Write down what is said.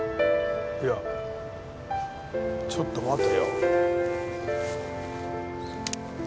いやちょっと待てよ。